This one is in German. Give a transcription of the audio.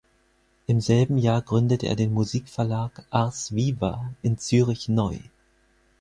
Im selben Jahr gründete er den Musikverlag "Ars viva" in Zürich neu.